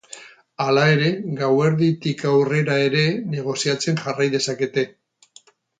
Hala ere, gauerditik aurrera ere negoziatzen jarrai dezakete.